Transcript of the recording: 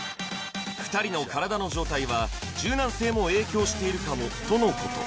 ２人の体の状態は柔軟性も影響しているかもとのこと